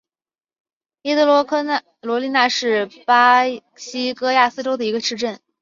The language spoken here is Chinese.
伊德罗利纳是巴西戈亚斯州的一个市镇。